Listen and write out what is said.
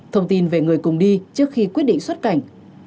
thông tin về người cùng đi trước khi quyết định xuất cảnh